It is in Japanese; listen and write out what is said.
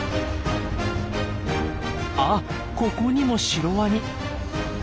あっここにもシロワニ。